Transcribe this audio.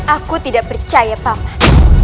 aku tidak percaya paman